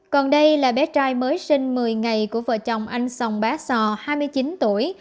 còn đây là bé trai mới sinh một mươi ngày của vợ chồng anh sòng bá sò hai mươi chín tuổi